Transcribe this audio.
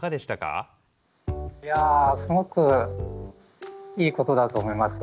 いやすごくいいことだと思います。